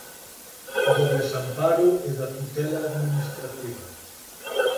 Do desamparo e da tutela administrativa